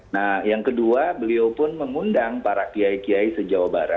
nah yang kedua beliau pun mengundang pak daniel